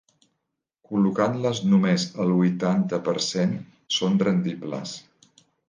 Col·locant-les només al huitanta per cent, són rendibles.